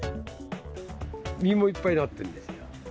実もいっぱいなってるんですよ。